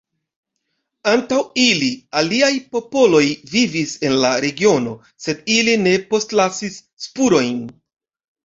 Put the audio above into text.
Antaŭ ili, aliaj popoloj vivis en la regiono, sed ili ne postlasis spurojn.